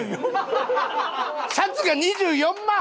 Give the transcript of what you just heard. シャツが２４万！？